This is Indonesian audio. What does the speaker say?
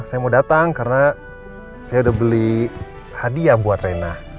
saya mau datang karena saya udah beli hadiah buat rena